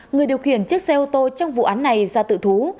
người điều khiển chiếc xe ô tô trong vụ án này ra tự thú